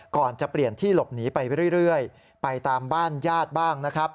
ก่อนจะเปลี่ยนที่หลบหนีไปเรื่อยไปตามบ้านญาติบ้างนะครับ